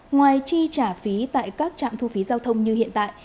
ngoài chi trả phí tại các trạm thu phí giao thông như hiện tại